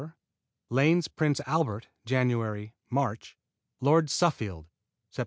Lane's Prince Albert Jan., March Lord Suffield Sept.